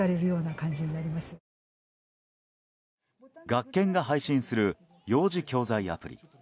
学研が配信する幼児教材アプリ。